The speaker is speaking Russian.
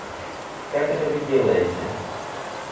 Как это вы делаете?